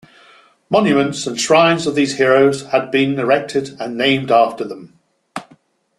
Monuments and shrines of these heroes had been erected and named after them.